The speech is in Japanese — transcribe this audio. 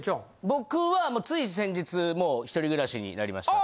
僕はつい先日もう１人暮らしになりました。